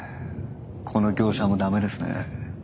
この業者もダメですね。